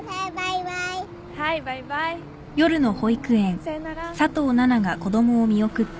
さようなら。